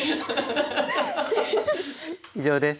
以上です。